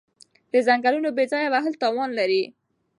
د ځنګلونو بې ځایه وهل تاوان لري.